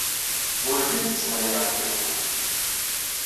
Ur llint ttḍeyyiɛent akud.